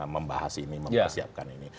membahas ini mempersiapkan ini